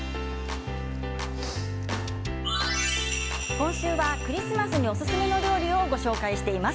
今週はクリスマスにおすすめの料理をご紹介しています。